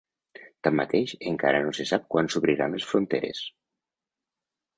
Tanmateix, encara no se sap quan s’obriran les fronteres.